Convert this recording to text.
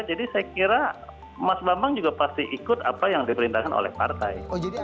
jadi saya kira mas bambang juga pasti ikut apa yang diperintahkan oleh partai